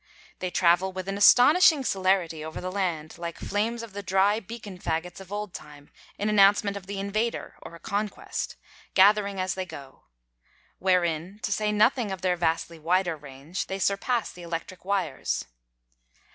They travel with an astonishing celerity over the land, like flames of the dry beacon faggots of old time in announcement of the invader or a conquest, gathering as they go: wherein, to say nothing of their vastly wider range, they surpass the electric wires.